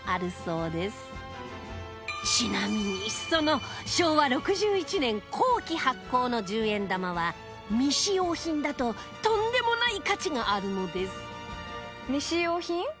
ちなみに、その昭和６１年後期発行の十円玉は未使用品だととんでもない価値があるのです芦田：未使用品？